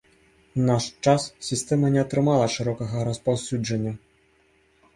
У наш час сістэма не атрымала шырокага распаўсюджання.